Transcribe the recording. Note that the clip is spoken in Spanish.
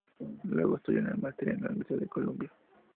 Luego estudió una maestría en la Universidad de Columbia.